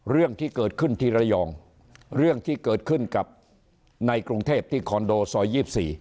เรื่องที่เกิดขึ้นที่ระยองเรื่องที่เกิดขึ้นกับในกรุงเทพที่คอนโดซอย๒๔